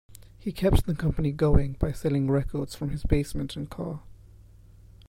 He kept the company going by selling records from his basement and car.